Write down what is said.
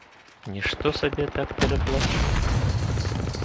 Нішто сабе так пераплачу!